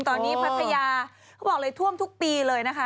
ตอนนี้พัทยาเขาบอกเลยท่วมทุกปีเลยนะคะ